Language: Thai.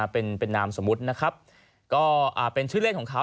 เป็นนามสมมุตินะครับก็เป็นชื่อเล่นของเขา